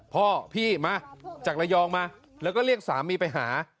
พ่อพี่มาจากระยองมาแล้วก็เรียกสามีไปหา